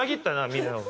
みんなの事。